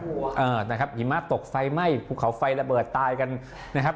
เออนะครับหิมะตกไฟไหม้ภูเขาไฟระเบิดตายกันนะครับ